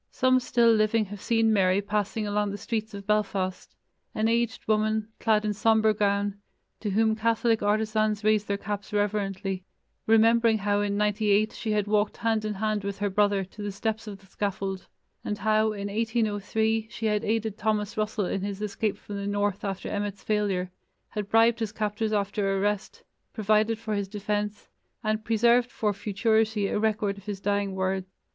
Some still living have seen Mary passing along the streets of Belfast, an aged woman, clad in sombre gown, to whom Catholic artisans raised their caps reverently, remembering how in '98 she had walked hand in hand with her brother to the steps of the scaffold, and how, in 1803, she had aided Thomas Russell in his escape from the north after Emmet's failure, had bribed his captors after arrest, provided for his defence, and preserved for futurity a record of his dying words.